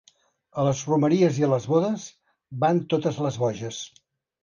A les romeries i a les bodes van totes les boges.